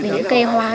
từ những cây hoa